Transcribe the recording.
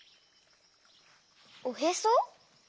おへそ？